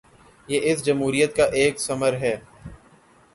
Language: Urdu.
یہ اس جمہوریت کا ایک ثمر ہے۔